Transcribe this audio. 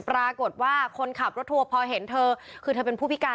ปรากฏว่าคนขับรถทัวร์พอเห็นเธอคือเธอเป็นผู้พิการ